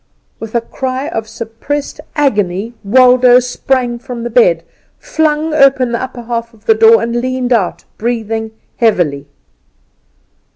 With a cry of suppressed agony Waldo sprung from the bed, flung open the upper half of the door, and leaned out, breathing heavily.